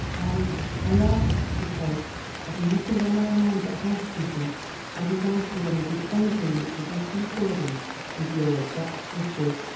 "I I ask because, having nothing on my mind but housekeeping, I desire to remedy anything which is not in accordance with your exact wishes."